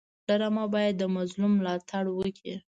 ډرامه باید د مظلوم ملاتړ وکړي